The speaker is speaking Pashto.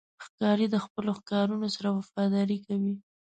ښکاري د خپلو ښکارونو سره وفاداري کوي.